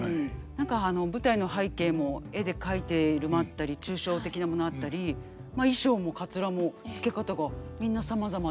何か舞台の背景も絵で描いているものあったり抽象的なものあったりまあ衣裳もかつらもつけ方がみんなさまざまで。